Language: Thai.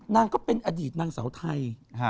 นางก็เป็นอดีตนางเสาไทย